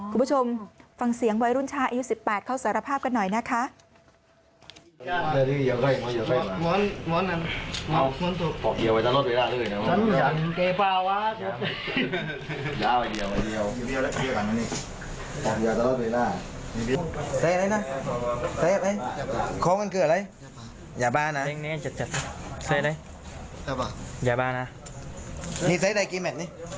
คุณผู้ชมฟังเสียงวัยรุ่นชายอายุ๑๘เขาสารภาพกันหน่อยนะคะ